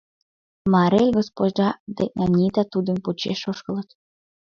Марель госпожа ден Анита тудын почеш ошкылыт.